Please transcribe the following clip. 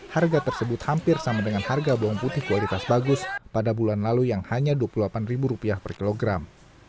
harga tersebut hampir sama dengan harga bawang putih kualitas bagus pada bulan lalu yang hanya rp dua puluh delapan per kilogram